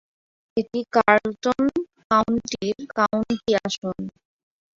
এটি কার্লটন কাউন্টির কাউন্টি আসন।